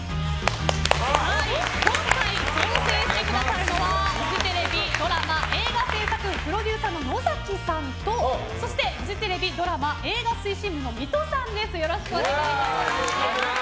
今回、挑戦してくださるのはフジテレビドラマ・映画制作部のプロデューサーの野崎さんとそしてフジテレビドラマ・映画推進部の水戸さんです。